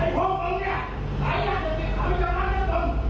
ไอ้พวกเราเนี่ยใกล้อย่างเดี๋ยวนี้ข้าวบ้านยาพีมีคนไอ้ใครทุกคน